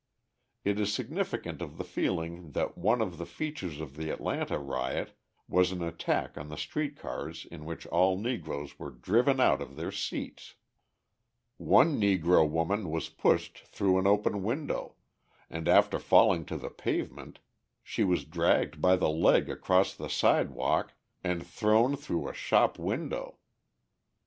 It is significant of the feeling that one of the features of the Atlanta riot was an attack on the street cars in which all Negroes were driven out of their seats. One Negro woman was pushed through an open window, and, after falling to the pavement, she was dragged by the leg across the sidewalk and thrown through a shop window.